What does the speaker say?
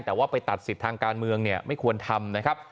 แต่ว่าไปตัดสิทธิ์ทางการเมืองเนี่ยไม่ควรทำนะครับ